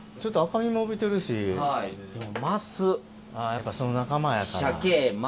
やっぱその仲間やから。